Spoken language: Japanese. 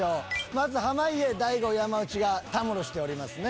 まず濱家大悟山内がたむろしておりますね。